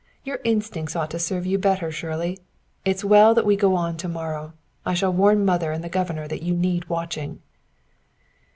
Your instincts ought to serve you better, Shirley. It's well that we go on to morrow. I shall warn mother and the governor that you need watching."